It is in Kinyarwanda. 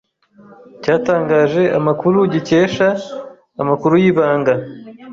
cyatangaje amakuru gicyesha amakuru y'ibanga